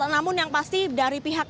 namun yang pasti dari pihak